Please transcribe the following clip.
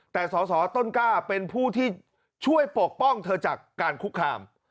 แต่สอสอต้นกล้าเป็นผู้ที่ช่วยปกป้องเธอจากการคุกคาม